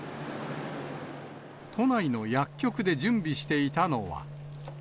都内の薬局で準備していたのは。